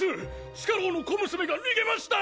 地下牢の小娘が逃げました！